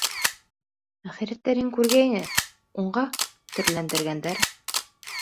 Әхирәттәрең күргәйне, унға төрләндергәндәр.